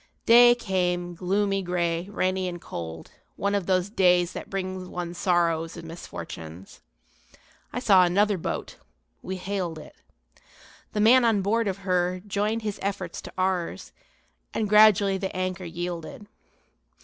Day came, gloomy gray, rainy and cold, one of those days that bring one sorrows and misfortunes. I saw another boat. We hailed it. The man on board of her joined his efforts to ours, and gradually the anchor yielded.